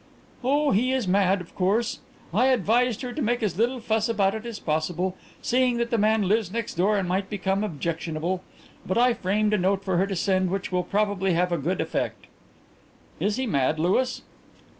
"Oh, he is mad, of course. I advised her to make as little fuss about it as possible, seeing that the man lives next door and might become objectionable, but I framed a note for her to send which will probably have a good effect." "Is he mad, Louis?"